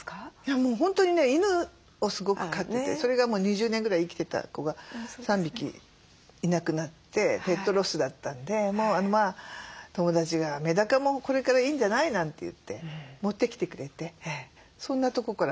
もう本当にね犬をすごく飼っててそれがもう２０年ぐらい生きてた子が３匹いなくなってペットロスだったんで友達が「メダカもこれからいいんじゃない？」なんて言って持ってきてくれてそんなとこから始まって。